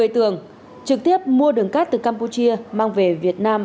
một mươi tường trực tiếp mua đường cát từ campuchia mang về việt nam